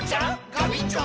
ガビンチョ！